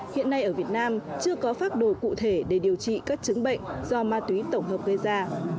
hiện nay ở việt nam chưa có phác đồ cụ thể để điều trị các chứng bệnh do ma túy tổng hợp gây ra